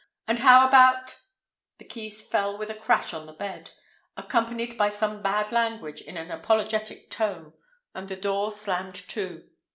And how about—" The keys fell with a crash on the bed, accompanied by some bad language in an apologetic tone, and the door slammed to.